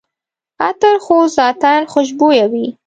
عطر خو ذاتاً خوشبویه وي.